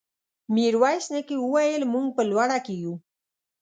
ميرويس نيکه وويل: موږ په لوړه کې يو.